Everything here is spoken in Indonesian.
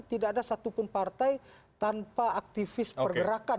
tidak ada satupun partai tanpa aktivis pergerakan